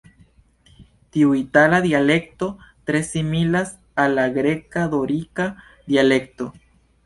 Tiu itala dialekto tre similas al la greka-dorika dialekto.